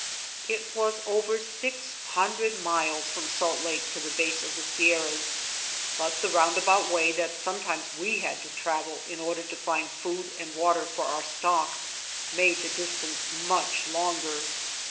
It was over six hundred miles from Salt Lake to the base of the Sierras, but the roundabout way that sometimes we had to travel in order to find food and water for our stock mjade the distance much longer.